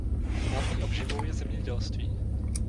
Hlavní obživou je zemědělství.